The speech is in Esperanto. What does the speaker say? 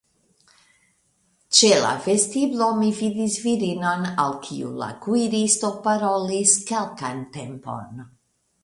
Ĉe la vestiblo mi vidis virinon, al kiu la kuiristo parolis kelkan tempon.